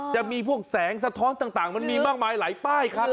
จะมีพวกแสงสะท้อนต่างมันมีมากมายหลายป้ายครับ